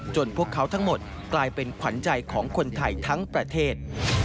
พวกเขาทั้งหมดกลายเป็นขวัญใจของคนไทยทั้งประเทศ